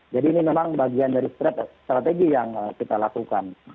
jadi ini memang bagian dari strategi yang kita lakukan